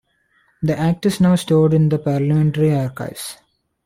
The Act is now stored in the Parliamentary Archives.